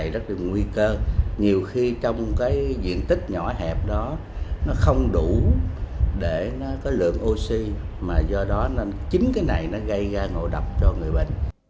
để nó có lượng oxy mà do đó chính cái này nó gây ra ngộ độc cho người bệnh